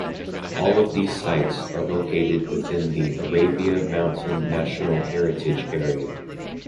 All of these sites are located within the Arabia Mountain National Heritage Area.